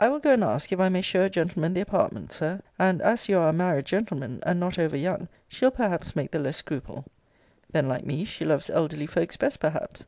I will go and ask if I may show a gentleman the apartment, Sir; and, as you are a married gentleman, and not over young, she'll perhaps make the less scruple. Then, like me, she loves elderly folks best perhaps.